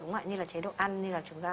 như là chế độ ăn như là chúng ta